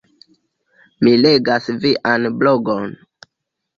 Mi legas vian blogon